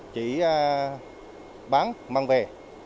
chỉ bán mang về